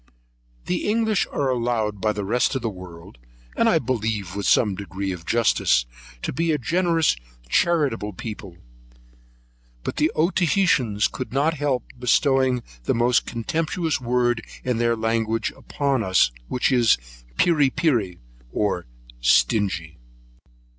The English are allowed by the rest of the world, and I believe with some degree of justice, to be a generous, charitable people; but the Otaheiteans could not help bestowing the most contemptuous word in their language upon us, which is, Peery Peery, or Stingy.